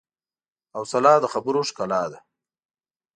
حوصله د خبرو ښکلا ده.